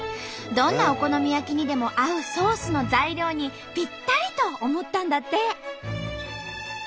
どんなお好み焼きにでも合うソースの材料にぴったりと思ったんだって。